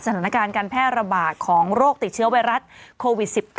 สถานการณ์การแพร่ระบาดของโรคติดเชื้อไวรัสโควิด๑๙